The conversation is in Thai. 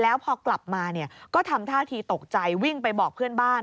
แล้วพอกลับมาก็ทำท่าทีตกใจวิ่งไปบอกเพื่อนบ้าน